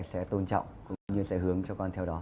sẽ tôn trọng cũng như sẽ hướng cho con theo đó